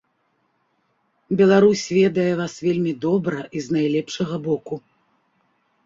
Беларусь ведае вас вельмі добра і з найлепшага боку.